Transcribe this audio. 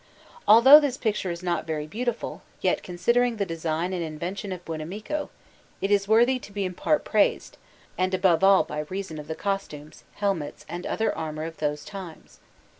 Although this picture is not very beautiful, yet, considering the design and invention of Buonamico, it is worthy to be in part praised, and above all by reason of the costumes, helmets, and other armour of those times.